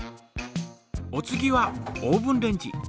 お次はオーブンレンジ。